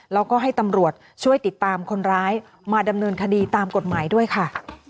แล้วก็ให้ตำรวจช่วยติดตามคนร้ายมาดำเนินคดีตามกฎหมายด้วยค่ะ